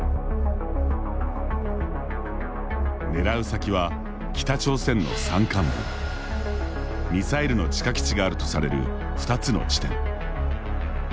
狙う先は、北朝鮮の山間部ミサイルの地下基地があるとされる２つの地点。